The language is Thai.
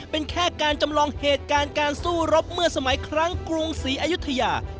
เป็นแค่การจำลองเหตุการณ์การสู้รบเมื่อสมัยครั้งกรุงศรีอายุทยา